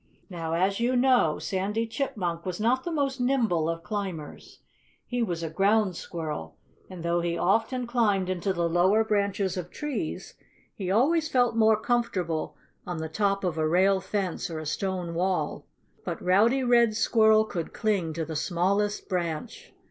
Now, as you know, Sandy Chipmunk was not the most nimble of climbers. He was a ground squirrel; and though he often climbed into the lower branches of trees, he always felt more comfortable on the top of a rail fence or a stone wall. But Rowdy Red Squirrel could cling to the smallest branch.